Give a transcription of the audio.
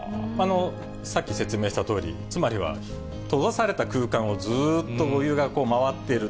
さっき説明したとおり、つまりは、閉ざされた空間をずっとお湯が回っている。